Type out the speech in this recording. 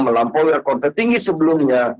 melampaui rekor tertinggi sebelumnya